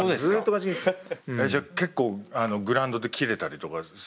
あっじゃあ結構グラウンドでキレたりとかするタイプ？